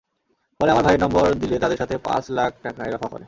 পরে আমার ভাইয়ের নম্বর দিলে তাদের সাথে পাঁচ লাখ টাকায় রফা করে।